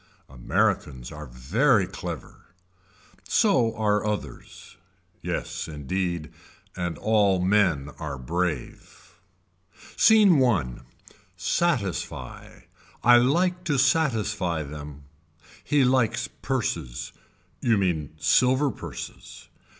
Americans are very clever. So are others. Yes indeed. And all men are brave. Scene I. Satisfy. I like to satisfy them. He likes purses. You mean silver purses.